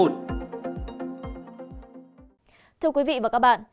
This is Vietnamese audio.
thưa quý vị và các bạn